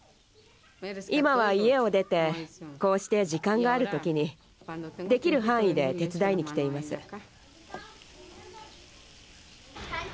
今は家を出てこうして時間がある時にできる範囲で手伝いに来ています。